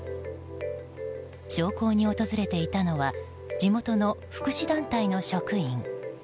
焼香に訪れていたのは地元の福祉団体の職員。